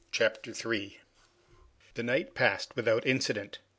Chapter 3 The night passed without incident.